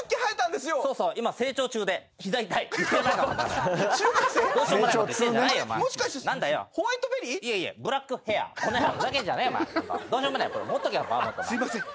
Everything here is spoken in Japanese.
すいません。